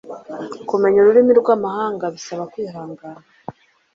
Kumenya ururimi rwamahanga bisaba kwihangana.